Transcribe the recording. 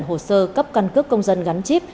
hồ sơ cấp căn cước công dân gắn chip